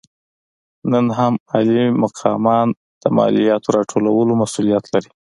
نن هم عالي مقامان د مالیاتو راټولولو مسوولیت لري.